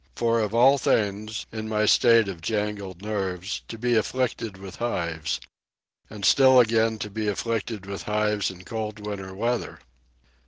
For of all things, in my state of jangled nerves, to be afflicted with hives! And still again, to be afflicted with hives in cold winter weather!